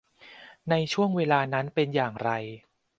ในช่วงเวลานั้นเป็นอย่างไร